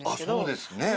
そうですね。